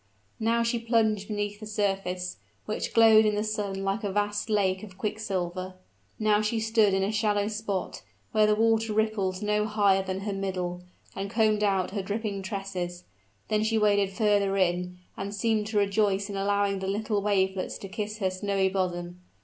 Now she plunged beneath the surface, which glowed in the sun like a vast lake of quicksilver: now she stood in a shallow spot, where the water rippled no higher than her middle, and combed out her dripping tresses; then she waded further in, and seemed to rejoice in allowing the little wavelets to kiss her snowy bosom.